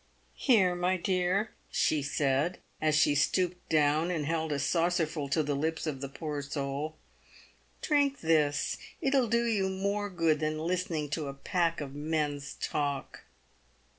" Here, my dear," she said, as she stooped down and held a saucerfnl to the lips of the poor soul, " drink this ; it'll do you more good than listening to a pack of men's talk."